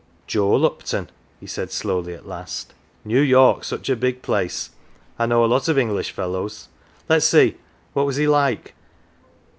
" Joe Lupton," he said slowly, at last. " New York's such a big place I know a lot of English fellows. Let's see, what was he like